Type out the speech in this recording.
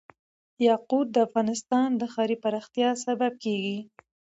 یاقوت د افغانستان د ښاري پراختیا سبب کېږي.